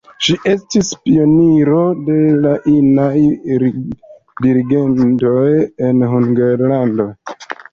Ŝi estis pioniro de la inaj dirigentoj en Hungarlando.